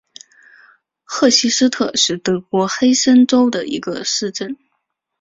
赫希斯特是德国黑森州的一个市镇。